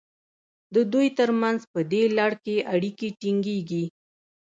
د دوی ترمنځ په دې لړ کې اړیکې ټینګیږي.